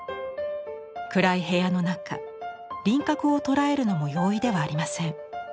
暗い部屋の中輪郭を捉えるのも容易ではありません。